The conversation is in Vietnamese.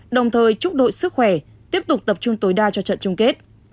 đồng thời chúc đội sức khỏe tiếp tục tập trung tối đa cho trận chung kết